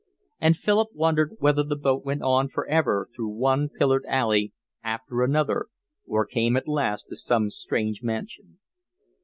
And Philip wondered whether the boat went on for ever through one pillared alley after another or came at last to some strange mansion.